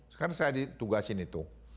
sekarang saya ditugasin itu